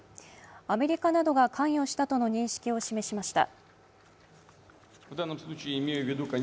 アメリカなどが関与したとの認識を示しました。